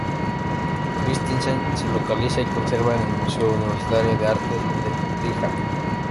Christensen se localiza y conserva en el Museo Universitario de Arte de Brigham.